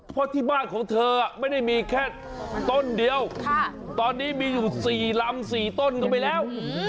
เพราะที่บ้านของเธอไม่ได้มีแค่ต้นเดียวตอนนี้มีอยู่๔ลำ๔ต้นเข้าไปแล้ว